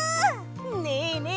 ねえねえ